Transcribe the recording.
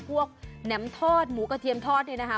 แหนมทอดหมูกระเทียมทอดเนี่ยนะคะ